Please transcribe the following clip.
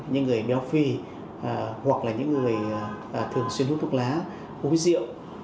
như người béo phi hoặc là những người thường xuyên hút thuốc lá uống rượu